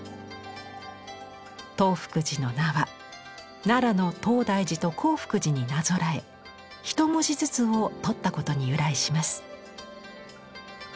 東福寺の名は奈良の東大寺と興福寺になぞらえひと文字ずつを取ったことに由来します。